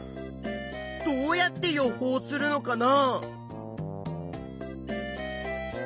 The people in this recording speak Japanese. どうやって予報するのかな？